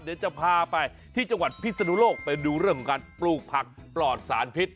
เดี๋ยวจะพาไปที่จังหวัดพิศนุโลกไปดูเรื่องของการปลูกผักปลอดสารพิษ